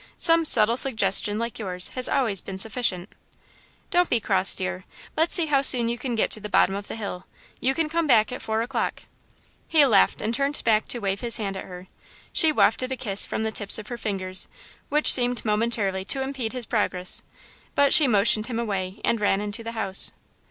Some subtle suggestion like yours has always been sufficient." "Don't be cross, dear let's see how soon you can get to the bottom of the hill. You can come back at four o'clock." He laughed and turned back to wave his hand at her. She wafted a kiss from the tips of her fingers, which seemed momentarily to impede his progress, but she motioned him away and ran into the house.